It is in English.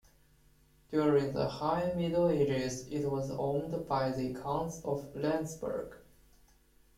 During the High Middle Ages it was owned by the Counts of Lenzburg.